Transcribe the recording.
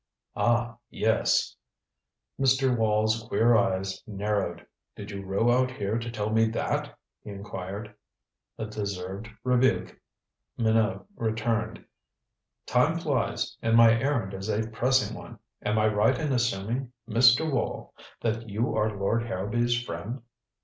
"Ah yes," Mr. Wall's queer eyes narrowed. "Did you row out here to tell me that?" he inquired. "A deserved rebuke," Minot returned. "Time flies, and my errand is a pressing one. Am I right in assuming, Mr. Wall, that you are Lord Harrowby's friend?"